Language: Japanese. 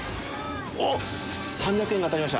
おっ、３００円が当たりました。